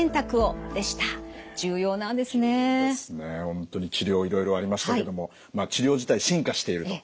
本当に治療いろいろありましたけども治療自体進化していると。